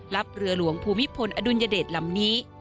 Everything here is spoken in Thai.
เรือหลวงภูมิพลอดุลยเดชลำนี้